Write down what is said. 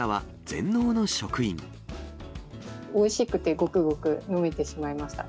おいしくて、ごくごく飲めてしまいました。